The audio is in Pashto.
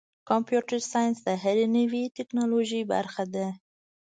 کمپیوټر ساینس د هرې نوې ټکنالوژۍ برخه ده.